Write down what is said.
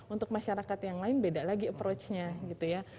untuk masyarakat yang lain beda lagi approachnya gitu ya